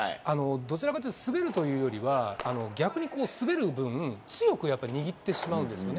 どちらかというと、滑るというよりは、逆にこう、滑る分、強くやっぱり握ってしまうんですよね。